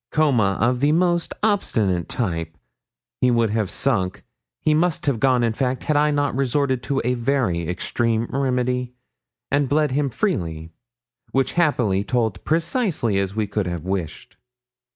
Coma of the most obstinate type. He would have sunk he must have gone, in fact, had I not resorted to a very extreme remedy, and bled him freely, which happily told precisely as we could have wished.